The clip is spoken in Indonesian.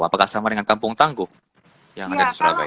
apakah sama dengan kampung tangguh yang ada di surabaya